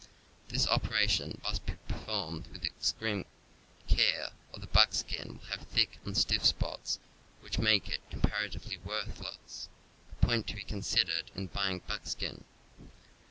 This operation must be performed with extreme care or the buckskin will have thick and stiff spots which make it comparatively worthless — a point to be considered in buying buck skin.